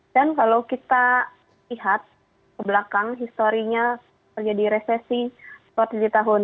dan kalau kita lihat ke belakang historinya terjadi resesi saat itu di tahun dua ribu delapan